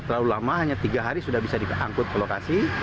terlalu lama hanya tiga hari sudah bisa diangkut ke lokasi